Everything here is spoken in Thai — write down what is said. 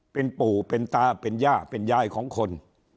เป็นปู่เป็นตาเป็นย่าเป็นยายของคน